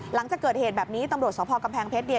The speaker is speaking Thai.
หลังจากเกิดเหตุแบบนี้ตำรวจสภกำแพงเพชรเนี่ย